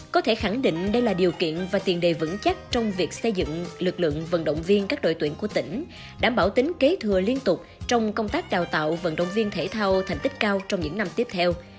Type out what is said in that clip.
có thể khẳng định đây là điều kiện và tiền đề vững chắc trong việc xây dựng lực lượng vận động viên các đội tuyển của tỉnh đảm bảo tính kế thừa liên tục trong công tác đào tạo vận động viên thể thao thành tích cao trong những năm tiếp theo